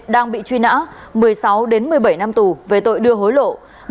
đang bị truy nã một mươi sáu một mươi bảy năm tù về tội đưa hối lộ